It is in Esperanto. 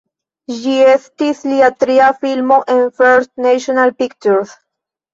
Ĝi estis lia tria filmo por First National Pictures.